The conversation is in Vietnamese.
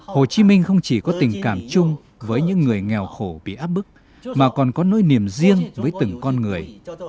hồ chí minh không chỉ có tình cảm chung với những người nghèo khổ bị áp bức mà còn có nỗi niềm riêng với từng con người